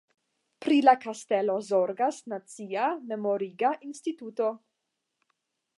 Pri la kastelo zorgas Nacia memoriga instituto.